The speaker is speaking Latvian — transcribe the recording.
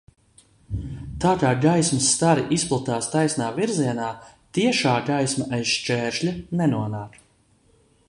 Tā kā gaismas stari izplatās taisnā virzienā, tiešā gaisma aiz šķēršļa nenonāk.